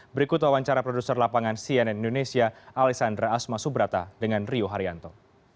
berikut wawancara produser lapangan cnn indonesia alexandra asma subrata dengan rio haryanto